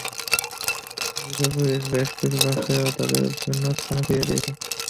গ্রিসের পুলিশ বেশ কিছু বাসে করে তাঁদের বিভিন্ন স্থানে ফিরিয়ে দিয়েছে।